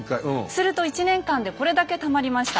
すると１年間でこれだけたまりました。